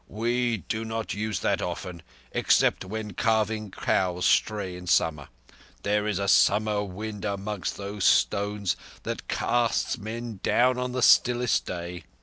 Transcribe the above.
"We do not use that often—except when calving cows stray in summer. There is a sudden wind among those stones that casts men down on the stillest day.